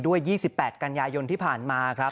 ๒๘กันยายนที่ผ่านมาครับ